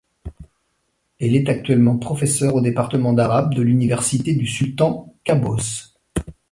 Elle est actuellement professeure au département d'arabe de l'Université du Sultan Qaboos.